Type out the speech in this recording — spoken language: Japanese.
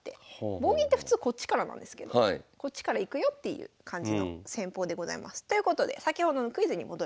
棒銀って普通こっちからなんですけどこっちから行くよっていう感じの戦法でございます。ということで先ほどのクイズに戻ります。